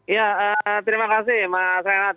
ya terima kasih mas renat